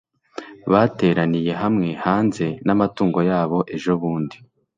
bateraniye hamwe hanze n'amatungo yabo ejobundi